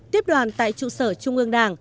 tiếp đoàn tại trụ sở trung ương đài